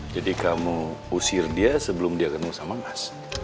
jadi kamu usir dia sebelum dia ketemu sama mas